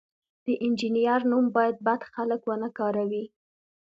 د انجینر نوم باید بد خلک ونه کاروي.